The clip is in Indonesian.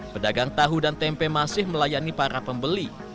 pedagang tahu dan tempe masih melayani para pembeli